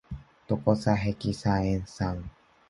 ドコサヘキサエン酸